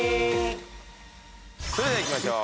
それではいきましょう。